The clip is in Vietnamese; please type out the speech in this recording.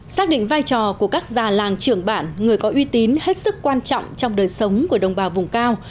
xác định vai trò của các già làng trưởng bản người có uy tín hết sức quan trọng trong đời sống của đồng bào vùng cao